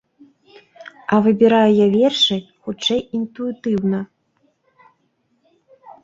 А выбіраю я вершы, хутчэй, інтуітыўна.